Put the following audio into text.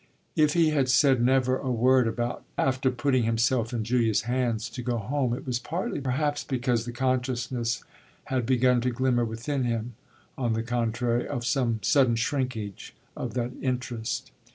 If he had said never a word after putting himself in Julia's hands to go home it was partly perhaps because the consciousness had begun to glimmer within him, on the contrary, of some sudden shrinkage of that interest.